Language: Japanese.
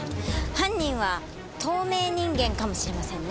犯人は透明人間かもしれませんね。